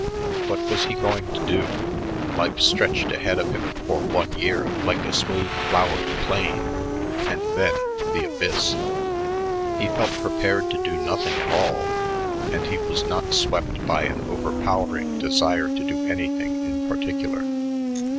What was he going to do? Life stretched ahead of him for one year like a smooth, flowered plain and then the abyss. He felt prepared to do nothing at all, and he was not swept by an overpowering desire to do anything in particular.